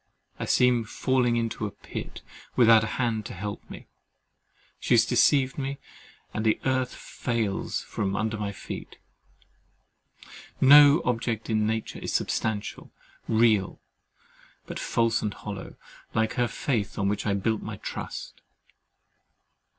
I seem falling into a pit, without a hand to help me. She has deceived me, and the earth fails from under my feet; no object in nature is substantial, real, but false and hollow, like her faith on which I built my trust.